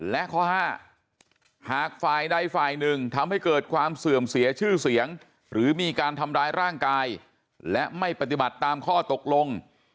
และข้อห้าหากฝ่ายใดฝ่ายหนึ่งทำให้เกิดความเสื่อมเสียชื่อเสียงหรือมีการทำร้ายร่างกายและไม่ปฏิบัติตามข้อตกลง